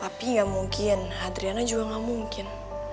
tapi nggak mungkin adriana juga gak mungkin